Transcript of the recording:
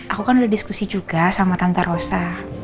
aku kan udah diskusi juga sama tante rosa